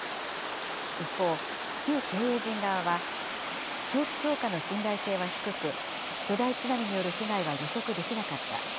一方、旧経営陣側は、長期評価の信頼性は低く、巨大津波による被害は予測できなかった。